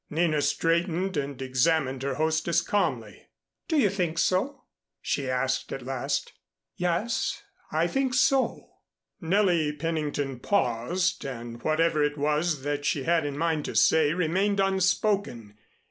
Nina straightened and examined her hostess calmly. "Do you think so?" she asked at last. "Yes, I think so " Nellie Pennington paused, and whatever it was that she had in mind to say remained unspoken.